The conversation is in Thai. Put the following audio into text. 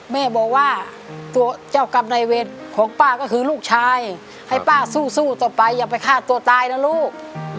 แม่บอกว่าตัวเจ้ากรรมในเวรของป้าก็คือลูกชายให้ป้าสู้ต่อไปอย่าไปฆ่าตัวตายนะลูก